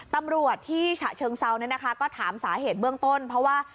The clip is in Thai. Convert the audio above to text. ตำรวจที่ฉะเชิงเซาเนี่ยนะคะก็ถามสาเหตุเบื้องต้นเพราะว่า